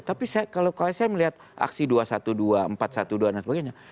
tapi kalau saya melihat aksi dua ratus dua belas empat ratus dua belas dan sebagainya